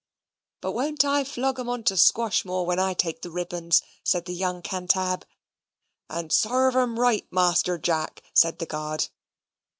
"But won't I flog 'em on to Squashmore, when I take the ribbons?" said the young Cantab. "And sarve 'em right, Master Jack," said the guard.